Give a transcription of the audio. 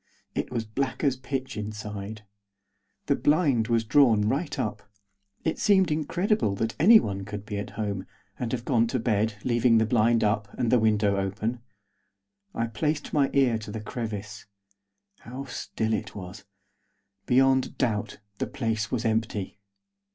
It was black as pitch inside. The blind was drawn right up; it seemed incredible that anyone could be at home, and have gone to bed, leaving the blind up, and the window open. I placed my ear to the crevice. How still it was! Beyond doubt, the place was empty.